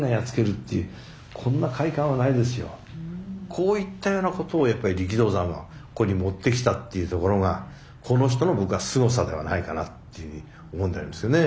こういったようなことをやっぱり力道山はここに持ってきたっていうところがこの人の僕はすごさではないかなっていうふうに思うんでありますよね。